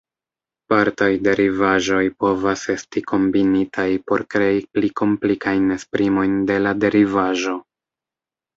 Partaj derivaĵoj povas esti kombinitaj por krei pli komplikajn esprimojn de la derivaĵo.